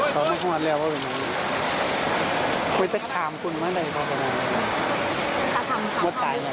คุณครับ